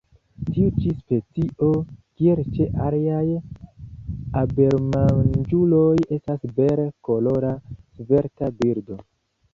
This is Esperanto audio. Tiu ĉi specio, kiel ĉe aliaj abelmanĝuloj, estas bele kolora, svelta birdo.